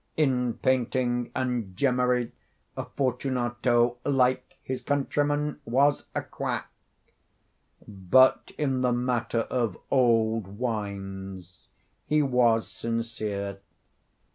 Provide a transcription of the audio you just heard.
In painting and gemmary, Fortunato, like his countrymen, was a quack—but in the matter of old wines he was sincere.